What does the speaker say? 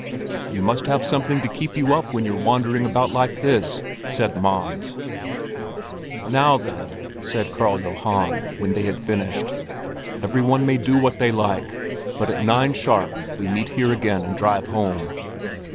"You must have something to keep you up when you're wandering about like this," said Mons. "Now then," said Karl Johan, when they had finished, "every one may do what they like; but at nine sharp we meet here again and drive home."